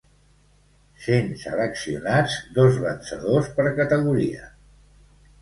Sent seleccionats dos vencedors per categoria.